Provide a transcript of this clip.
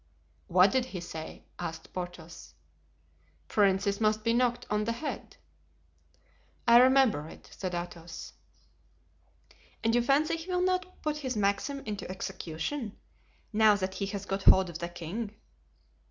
"What did he say?" asked Porthos. "'Princes must be knocked on the head.'" "I remember it," said Athos. "And you fancy he will not put his maxim into execution, now that he has got hold of the king?"